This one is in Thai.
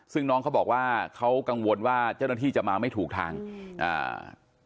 ซึ่งน้องเขาบอกว่าเขากังวลว่าเจ้าหน้าที่จะมาไม่ถูกทางอ่า